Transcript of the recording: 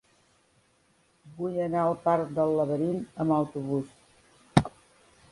Vull anar al parc del Laberint amb autobús.